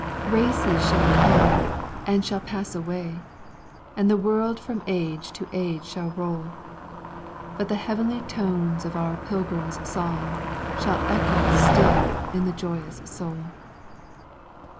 Races shall come, And shall pass away: And the world from age to age shall roll; But the heavenly tones Of our pilgrim song Shall echo still in the joyous soul.